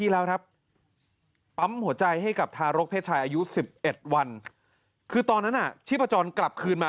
แล้วแม่ที่เห็นเราอยู่คือใช้๒นิ้วอ่ะ